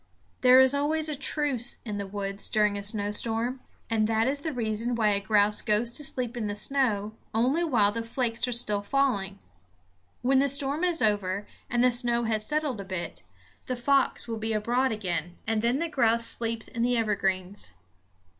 There is always a truce in the woods during a snowstorm; and that is the reason why a grouse goes to sleep in the snow only while the flakes are still falling. When the storm is over and the snow has settled a bit, the fox will be abroad again; and then the grouse sleeps in the evergreens.